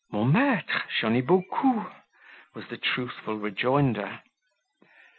"Mon maitre, j'en ai beaucoup," was the truthful rejoinder.